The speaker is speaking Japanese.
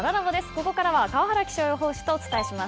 ここからは川原気象予報士とお伝えします。